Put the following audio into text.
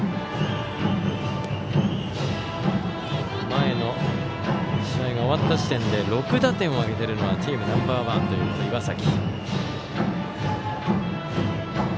前の試合が終わった時点で６打点を挙げているのはチームナンバー１という岩崎。